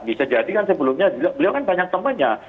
bisa jadi kan sebelumnya beliau kan banyak temannya